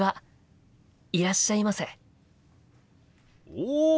おお！